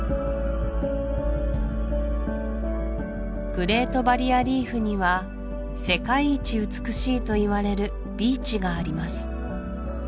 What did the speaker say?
グレート・バリア・リーフには世界一美しいといわれるビーチがあります